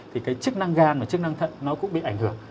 thì cái chức năng gan và chức năng thận nó cũng bị ảnh hưởng